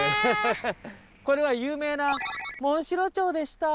これは有名なモンシロチョウでした！